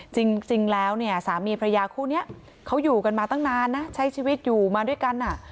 จริงแล้วเนี่ยสามีพระยาคู่นี้เขาอยู่กันมาตั้งนานนะใช้ชีวิตอยู่มาด้วยกัน